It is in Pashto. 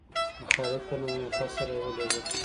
د خالد په نامه یو کس سره یې ولېږلم.